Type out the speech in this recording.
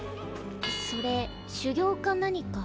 それ修行か何か？